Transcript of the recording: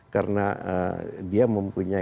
karena dia mempunyai